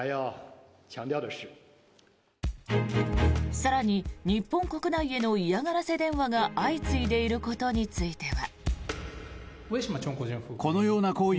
更に、日本国内への嫌がらせ電話が相次いでいることについては。